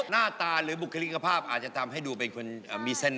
หน้าตาหรือบุคลิกภาพอาจจะทำให้ดูเป็นคนมีเสน่ห